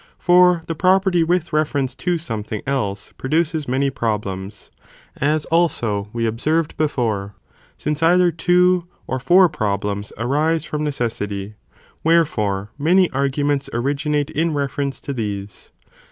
For the property with refer ence to something else produces many problems, as also we observed before, since either two or four problems arise from necessity, wherefore many arguments originate in reference to these.